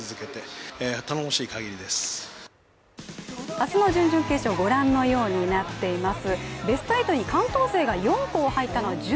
明日の準々決勝、ご覧のようになっています。